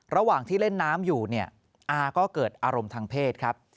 ระหว่างที่เล่นน้ำอยู่เนี่ยอาก็เกิดอารมณ์ทางเพศครับ